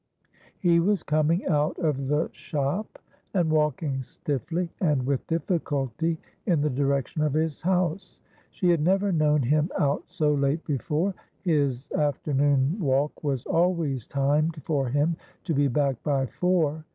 He was coming out of the shop, and walking stiffly and with difficulty in the direction of his house. She had never known him out so late before. His afternoon walk was always timed for him to be back by four.